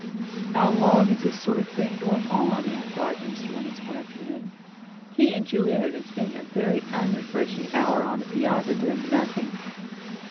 "How long is this sort of thing going on?" inquired Mr. Lenox one afternoon. He and Julia had been spending a very unrefreshing hour on the piazza doing nothing.